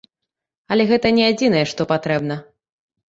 Але гэта не адзінае, што патрэбна.